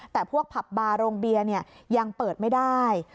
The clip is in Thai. แต่พวกผับบาร์โรงเบียร์ยังเปิดไม่ได้